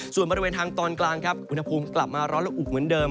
ส่วนบริเวณทางตอนกลางครับอุณหภูมิกลับมาร้อนและอุกเหมือนเดิม